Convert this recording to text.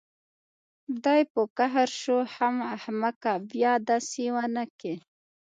دى په قهر شو حم احمقه بيا دسې ونکې.